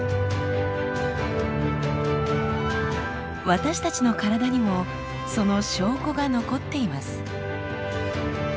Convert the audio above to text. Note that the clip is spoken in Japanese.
私たちの体にもその証拠が残っています。